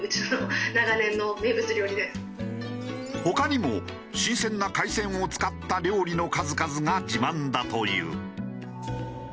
他にも新鮮な海鮮を使った料理の数々が自慢だという。